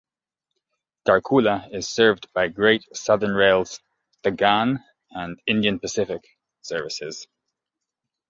Tarcoola is served by Great Southern Rail's "The Ghan" and "Indian Pacific" services.